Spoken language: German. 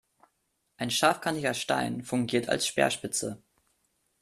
Ein scharfkantiger Stein fungiert als Speerspitze.